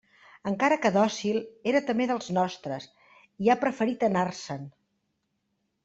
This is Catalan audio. Encara que dòcil, era també dels nostres, i ha preferit anar-se'n.